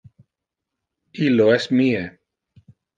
Illo es mie.